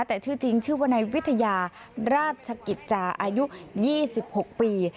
แต่ชื่อจริงชื่อวนายวิทยาราชกิจจาอายุ๒๖ปี